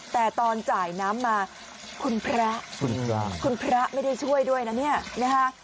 แต่ตอนจ่ายน้ำมาคุณพระคุณพระคุณพระไม่ได้ช่วยด้วยนะเนี่ยนะฮะ